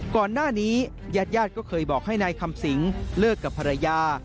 ก่อนหน้านี้ยาดก็เคยบอกให้นายคำสิงฯเลิกกับภรรยา